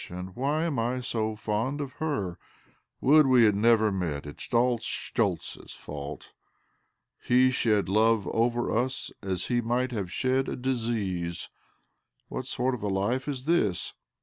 And why am / so fond of herl Would we had never met! It is all Schtoltz's fault. He shed love over us as he might have shed a disease. What sort of a life is this?